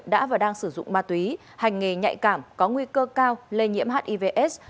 đã và đang sử dụng ma túy hành nghề nhạy cảm có nguy cơ cao lây nhiễm hivs